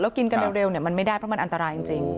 กินกันเร็วมันไม่ได้เพราะมันอันตรายจริง